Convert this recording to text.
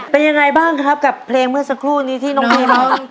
เป็นยังไงบ้างครับกับเพลงเมื่อสักครู่นี้ที่น้องพีร้อง